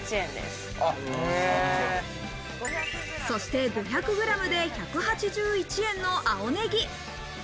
そして５００グラムで１８１円の青ネギ。